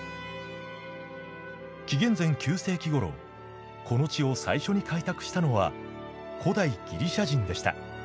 ９世紀ごろこの地を最初に開拓したのは古代ギリシャ人でした。